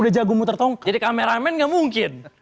udah jago muter tongkang jadi kameramen gak mungkin